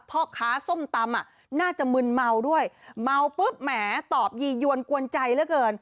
พ่อค้าส้มตำอ่ะน่าจะมึนเมาด้วยเมาปุ๊บแหมตอบยียวนกวนใจเหลือเกิน